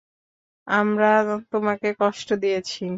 আমরা তোমাকে কষ্ট দিয়েছি।